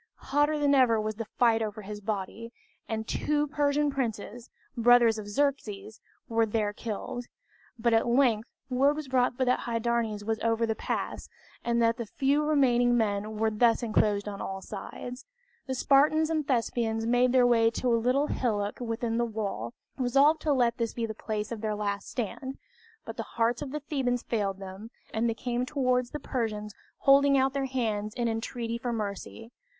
Hotter than ever was the fight over his body, and two Persian princes, brothers of Xerxes, were there killed; but at length word was brought that Hydarnes was over the pass, and that the few remaining men were thus enclosed on all sides. The Spartans and Thespians made their way to a little hillock within the wall, resolved to let this be the place of their last stand; but the hearts of the Thebans failed them, and they came towards the Persians holding out their hands in entreaty for mercy.